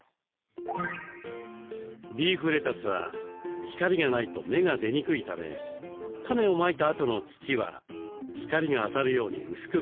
リーフレタスは光がないと芽が出にくいためタネをまいたあとの土は光が当たるように薄くかけます。